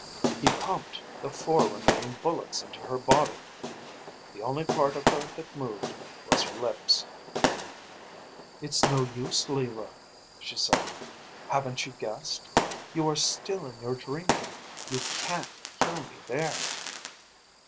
He pumped the four remaining bullets into her body. The only part of her that moved was her lips. "It's no use, Leroy," she said. "Haven't you guessed? You are still in your dream. You can't kill me there."